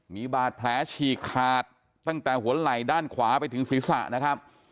มีบาดแผลฉีกขาดตั้งแต่หัวไหล่ด้านขวาไปถึงศีรษะนะครับ